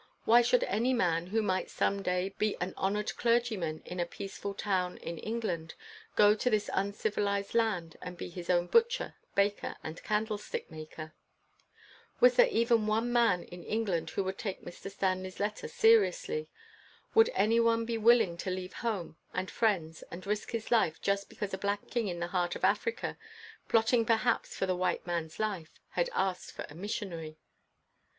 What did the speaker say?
Why should any man, who might some day be an honored clergyman in a peaceful town ir. England, go to this uncivilized land and be his own butcher, baker, and candlestick maker ? Was there even one man in England who would take Mr. Stanley's letter seriously? Would any one be willing to leave home and friends and risk his life just because a black king in the heart of Africa, plotting per haps for the white man's life, had asked for a missionary